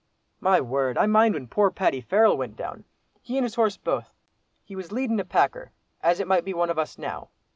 "My word! I mind when poor Paddy Farrell went down. He and his horse both. He was leadin' a packer, as it might be one of us now.